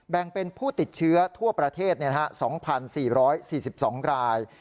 แบ่งเป็นผู้ติดเชื้อทั่วประเทศ๒๔๔๒ราย